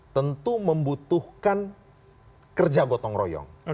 tentu membutuhkan kerja gotong royong